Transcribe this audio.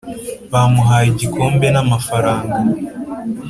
bamuhaye igikombe n'amafaranga